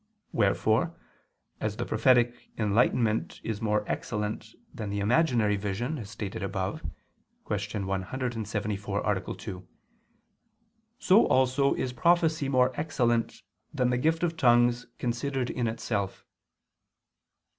Wherefore, as the prophetic enlightenment is more excellent than the imaginary vision, as stated above (Q. 174, A. 2), so also is prophecy more excellent than the gift of tongues considered in itself.